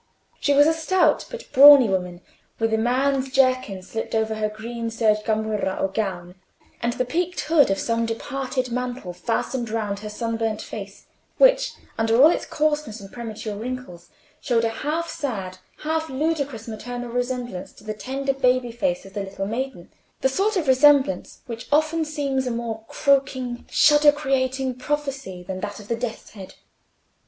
She was a stout but brawny woman, with a man's jerkin slipped over her green serge gamurra or gown, and the peaked hood of some departed mantle fastened round her sunburnt face, which, under all its coarseness and premature wrinkles, showed a half sad, half ludicrous maternal resemblance to the tender baby face of the little maiden—the sort of resemblance which often seems a more croaking, shudder creating prophecy than that of the death's head.